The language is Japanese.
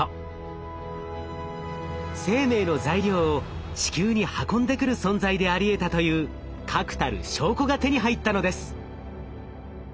生命の材料を地球に運んでくる存在でありえたという確たる証拠が手に入ったのです。